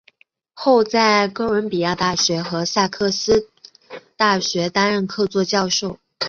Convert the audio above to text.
后在哥伦比亚大学和萨塞克斯大学担任客座教授。